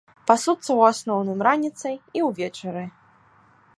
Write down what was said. Пасуцца ў асноўным раніцай і ўвечары.